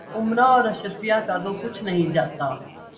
امرا اور اشرافیہ کا تو کچھ نہیں جاتا۔